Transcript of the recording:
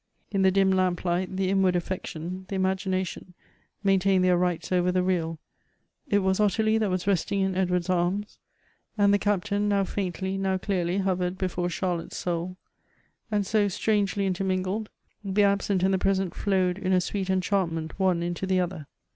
In the dim lamplight, the inward affection, the imagi nation, maintained their rights over the real; — it was Ottilie that was resting in Edward's arms ; and the Captain, now faintly, now clearly, hovered before Char lotte's soul. And so, strangely intermingled, the absent' and the present flowed in a sweet enchantment one into the other.